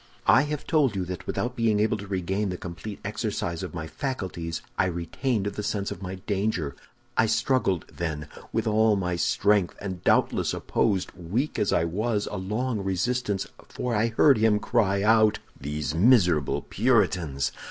I have told you that without being able to regain the complete exercise of my faculties, I retained the sense of my danger. I struggled, then, with all my strength, and doubtless opposed, weak as I was, a long resistance, for I heard him cry out, 'These miserable Puritans!